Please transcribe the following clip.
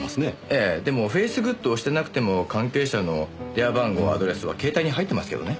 ええでもフェイスグッドをしてなくても関係者の電話番号アドレスは携帯に入ってますけどね。